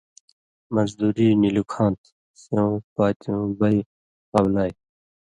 مزدُوری نی لُکھاں تھہ، سېوں پاتیُوں بئ (قبلائ)۔